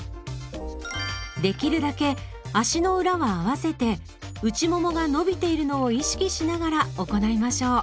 できるだけ足の裏は合わせて内ももが伸びているのを意識しながら行いましょう。